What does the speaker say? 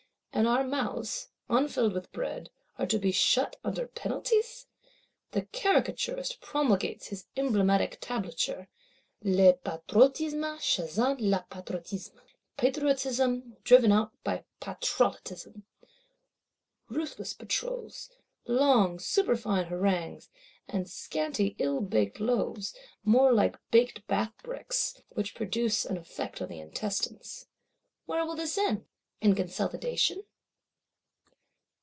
And our mouths, unfilled with bread, are to be shut, under penalties? The Caricaturist promulgates his emblematic Tablature: Le Patrouillotisme chassant le Patriotisme, Patriotism driven out by Patrollotism. Ruthless Patrols; long superfine harangues; and scanty ill baked loaves, more like baked Bath bricks,—which produce an effect on the intestines! Where will this end? In consolidation?